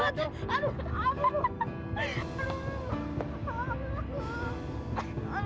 aduh aduh aduh